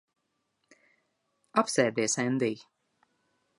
Apsēdies, Endij.